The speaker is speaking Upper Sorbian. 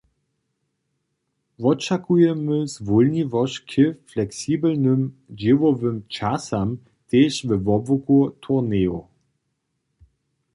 Wočakujemy zwólniwosć k fleksibelnym dźěłowym časam, tež we wobłuku turnejow.